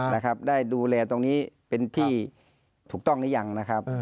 นะครับได้ดูแลตรงนี้เป็นที่ถูกต้องหรือยังนะครับ